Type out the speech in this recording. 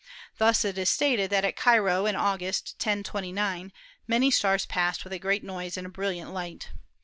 Thus it is stated that at Cairo, in August, 1029, many stars passed with a great noise and a brilliant light.